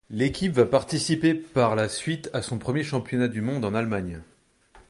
L'équipe va participer par la suite à son premier championnat du monde en Allemagne.